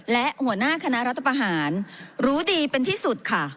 และหัวหน้าคณะรัฐประหารรู้ดีเป็นที่สุดค่ะ